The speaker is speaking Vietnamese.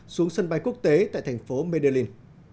xuống sân bay quốc tế tại thành phố medellín